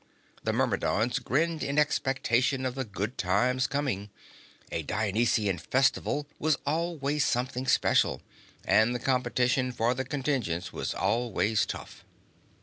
The Myrmidons grinned in expectation of the good times coming; a Dionysian festival was always something special, and competition for the contingents was always tough.